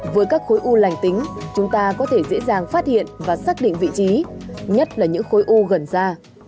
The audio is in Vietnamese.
với các khối u lành tính chúng ta có thể dễ dàng phát hiện và xác định vị trí nhất là những khối u gần ra